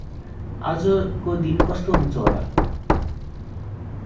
आजको दिन कस्तो हुन्छ होला?